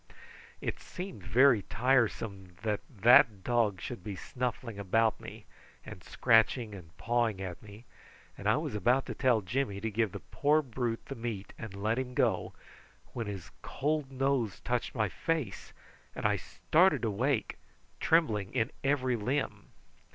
It seemed very tiresome that that dog should be snuffling about me, and scratching and pawing at me, and I was about to tell Jimmy to give the poor brute the meat and let him go, when his cold nose touched my face, and I started awake, trembling in every limb.